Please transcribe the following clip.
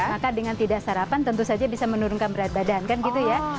maka dengan tidak sarapan tentu saja bisa menurunkan berat badan kan gitu ya